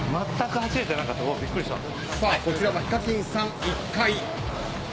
こちらはＨＩＫＡＫＩＮさん１階。